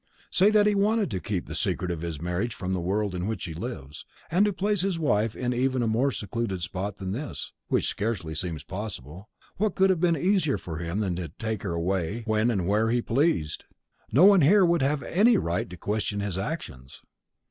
Say that he wanted to keep the secret of his marriage from the world in which he lives, and to place his wife in even a more secluded spot than this which scarcely seems possible what could have been easier for him than to take her away when and where he pleased? No one here would have had any right to question his actions."